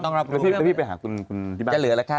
จะเหลือละค่ะ